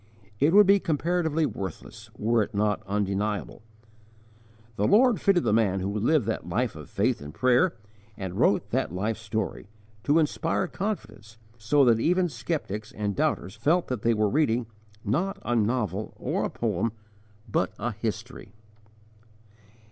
It would be comparatively worthless, were it not undeniable. The Lord fitted the man who lived that life of faith and prayer, and wrote that life story, to inspire confidence, so that even skeptics and doubters felt that they were reading, not a novel or a poem, but a history.